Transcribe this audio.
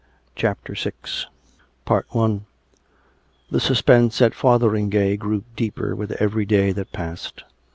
CHAPTER VI The suspense at Fotheringay grew deeper with every day that passed.